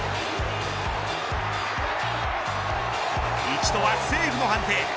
一度はセーフの判定。